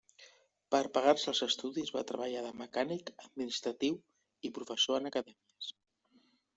Per pagar-se els estudis va treballar de mecànic, administratiu i professor en acadèmies.